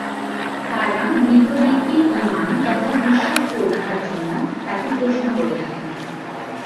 তাঁরা মৃত ব্যক্তির ঈমান তথা বিশ্বাস পরীক্ষার জন্য তাকে প্রশ্ন করে থাকেন।